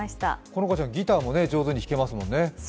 好花ちゃん、ギターも上手に弾きますもんね。